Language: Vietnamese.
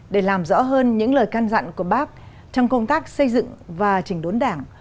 để làm rõ hơn những lời can dặn của bác trong công tác xây dựng và chỉnh đốn đảng